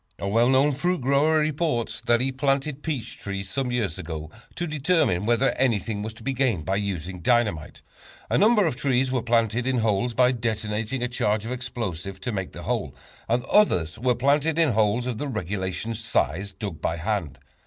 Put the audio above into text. A well known fruit grower reports that he planted peach trees some years ago to determine whether anything was to be gained by using dynamite. A number of trees were planted in holes by detonating a charge of explosives to make the holes, and others were planted in holes of the regulation size, dug by hand.